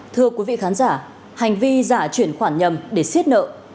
thưa quý vị khán giả hành vi giả chuyển khoản nhầm để xiết nợ